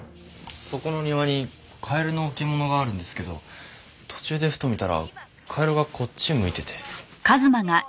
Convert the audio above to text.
そこの庭にカエルの置物があるんですけど途中でふと見たらカエルがこっち向いてて。